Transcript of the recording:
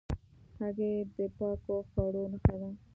هګۍ د پاکو خواړو نښه ده.